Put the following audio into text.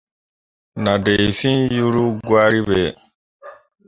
Nah dai fîi yuru gwari ɓe.